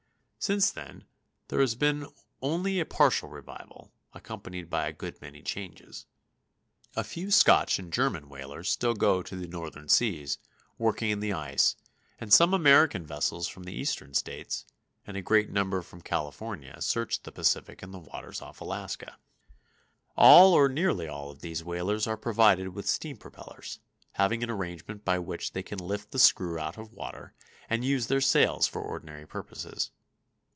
Since then there has been only a partial revival, accompanied by a good many changes. A few Scotch and German whalers still go to the northern seas, working in the ice, and some American vessels from the Eastern States, and a greater number from California search the Pacific and the waters off Alaska. All or nearly all of these whalers are provided with steam propellers, having an arrangement by which they can lift the screw out of water and use their sails for ordinary purposes.